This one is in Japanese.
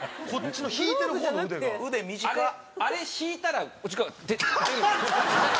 あれ引いたらこっち側が出てくる。